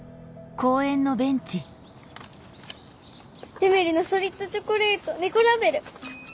デメルのソリッドチョコレート猫ラベル！